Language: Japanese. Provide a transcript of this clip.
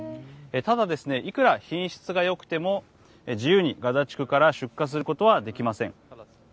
ただ、いくら品質がよくても自由にガザ地区から出荷することはできません。